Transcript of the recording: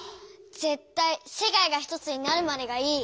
ぜったい「世界がひとつになるまで」がいい。